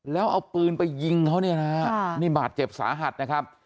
แล้วเอาปืนไปยิงเขาเนี่ยนะฮะนี่บาดเจ็บสาหัสนะครับ